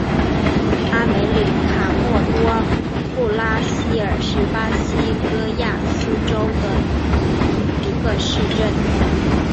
阿梅里卡诺多布拉西尔是巴西戈亚斯州的一个市镇。